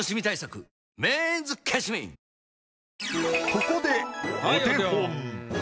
ここでお手本。